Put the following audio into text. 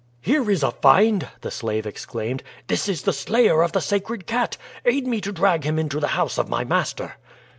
"Here is a find!" the slave exclaimed. "This is the slayer of the sacred cat. Aid me to drag him into the house of my master."